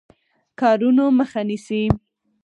کارونو مخه نیسي.